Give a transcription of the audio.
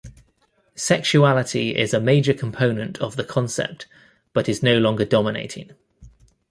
Sexuality is major component of the concept but is no longer dominating.